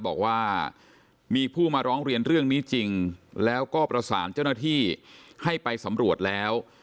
บอกว่ามีผู้มาร้องเรียนเรื่องนี้จริงแล้วก็ประสานเจ้าหน้าที่ให้ไปสำรวจแล้ว